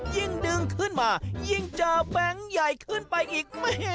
ยิ่งดึงขึ้นมายิ่งเจอแบงค์ใหญ่ขึ้นไปอีก